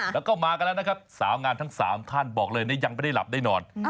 แล้วก็มากันแล้วนะครับสาวงานทั้ง๓ท่านบอกเลยนะยังไม่ได้หลับได้นอน